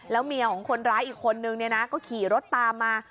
แล้วเมียของคนร้ายอีกคนนึงก็ขี่รถตามมา